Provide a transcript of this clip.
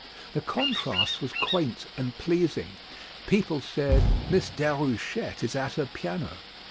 The contrast was quaint and pleasing; people said, "Miss Déruchette is at her piano."